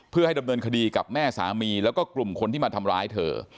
เพื่อให้ดำเนินคดีกับแม่สามีแล้วก็กลุ่มคนที่มาทำร้ายเธอ